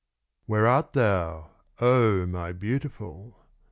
Where art thou, oh! my Beautiful?